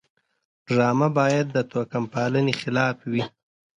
ډرامه باید د توکم پالنې خلاف وي